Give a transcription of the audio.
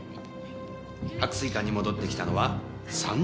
白水館に戻ってきたのは３時半。